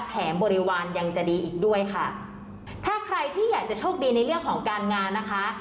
บริวารยังจะดีอีกด้วยค่ะถ้าใครที่อยากจะโชคดีในเรื่องของการงานนะคะ